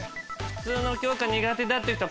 普通の教科苦手だっていう人